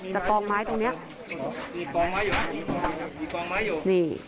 จากกองไม้ตรงนี้